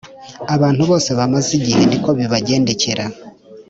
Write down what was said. Abantu bose bamaze igihe niko bibagendekera